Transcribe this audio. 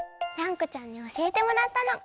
蘭子ちゃんにおしえてもらったの。